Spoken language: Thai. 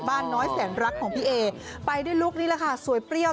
บ้านน้อยแสนรักของพี่เอไปด้วยลุคนี้แหละค่ะสวยเปรี้ยว